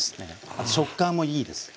あと食感もいいです。